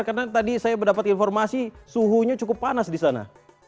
karena tadi saya mendapat informasi suhunya cukup panas di sana